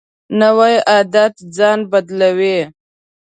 نوی عادت ځان بدلوي